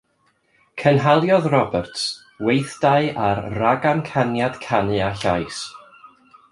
Cynhaliodd Roberts weithdai ar ragamcaniad canu a llais.